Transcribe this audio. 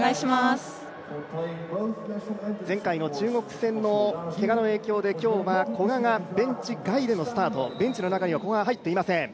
前回の中国戦のけがの影響で今日は古賀がベンチ外でのスタート、ベンチの中には古賀は入っていません。